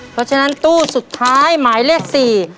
เพราะฉะนั้นตู้สุดท้ายหมายเลขสี่